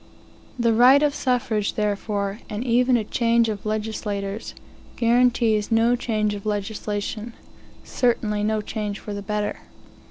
The right of suffrage, therefore, and even a change of legislators, guarantees no change of legislation certainly no change for the better.